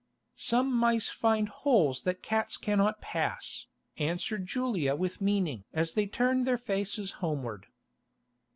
"Some mice find holes that cats cannot pass," answered Julia with meaning as they turned their faces homeward.